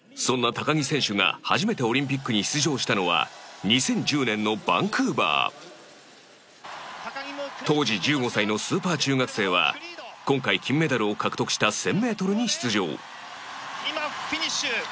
そんな高木選手が、初めてオリンピックに出場したのは２０１０年のバンクーバー当時１５歳のスーパー中学生は今回、金メダルを獲得した１０００ｍに出場実況：今、フィニッシュ！